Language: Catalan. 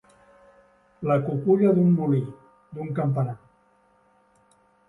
La cuculla d'un molí, d'un campanar.